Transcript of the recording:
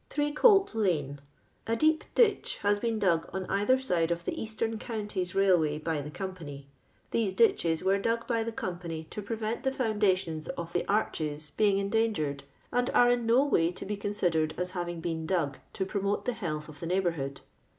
Three Coil lane. — ^A deep ditch has been dug on either side of the Eastern Counties Hallway by tlie Company. These ditches were dug by the Company to prevent the foimdations of the arches being endangered, and are in no way to be considered as having been dag to promote the health of the neighbourhood.